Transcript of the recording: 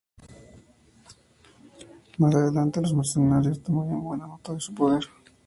Más adelante, los mercenarios tomarían buena nota de su poder.